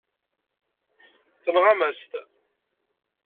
Tenɣam-as-t.